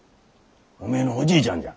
おめえのおじいちゃんじゃ。